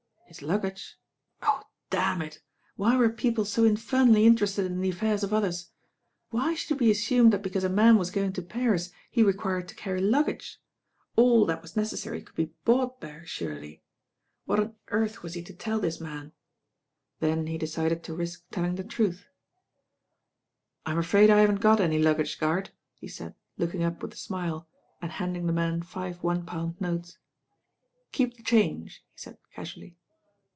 His luggage? Oh, damn it I* Why were people ^mfemally interested in the affairs of othe«? Why should It be assumed that because a man was gomg to Pans he required to carry luggage? AU that was necessary could be bought there, surely? 128 THE RAIN GIRL What on earth was he to tell this man? Then he decided to risk telling the truth. v "I'm afraid I haven't got any luggage, guard," he said, looking up with a smile and handing the man Hve one pound notes. "Keep the change," he said casually.